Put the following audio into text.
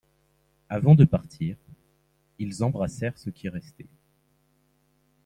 Avant de partir, ils embrassèrent ceux qui restaient.